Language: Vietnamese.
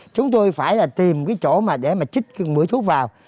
chúng tôi phải tìm cái chỗ để mà chích mũi thuốc vào